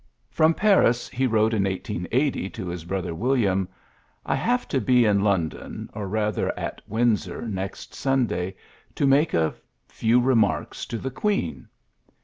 From Paris he wrote in 1880 to his brother William, '^I have to be in Lon don, or rather at Windsor, next Sunday, to make a few remarks to the Queen.''